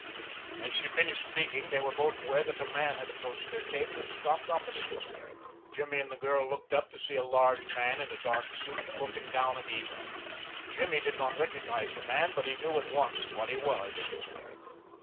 As she finished speaking they were both aware that a man had approached their table and stopped opposite them. Jimmy and the girl looked up to see a large man in a dark suit looking down at Eva. Jimmy did not recognize the man, but he knew at once what he was.